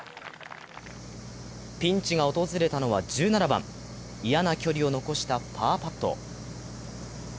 ピンチが訪れたのは１７番、嫌な距離を残したパーパット。